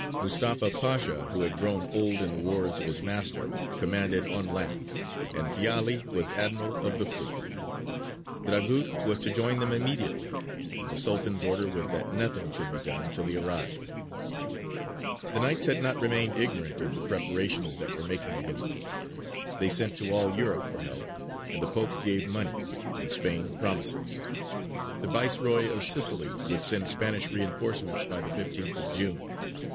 Mustafa Pasha who had grown old in the wars of his master, commanded on land, and Piāli was admiral of the fleet. Dragut was to join them immediately, and the Sultan's order was that nothing should be done till he arrived. The Knights had not remained ignorant of the preparations that were making against them. They sent to all Europe for help, and the Pope gave money, and Spain promises: the Viceroy of Sicily would send Spanish reinforcements by the 15th of June.